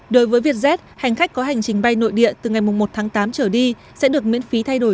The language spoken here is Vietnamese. đối với vietjet hành khách có hành trình bay nội địa từ ngày một tháng tám trở đi sẽ được miễn phí thay đổi